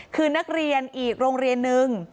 คือนักเรียนอีกโรงเรียนนึง